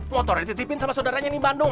motor dititipin sama saudaranya di bandung